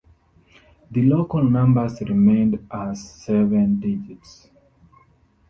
The local numbers remained as seven digits.